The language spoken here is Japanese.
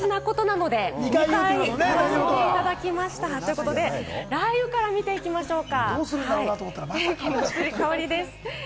大事なことなので２回言わせていただきました。ということで、雷雨から見ていきましょうか。